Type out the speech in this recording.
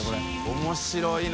面白いね。